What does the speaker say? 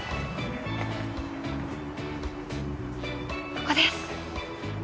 ここです。